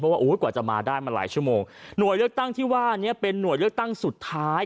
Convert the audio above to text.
ว่าอุ้ยกว่าจะมาได้มาหลายชั่วโมงหน่วยเลือกตั้งที่ว่านี้เป็นหน่วยเลือกตั้งสุดท้าย